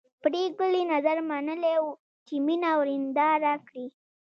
پري ګلې نذر منلی و چې مینه ورېنداره کړي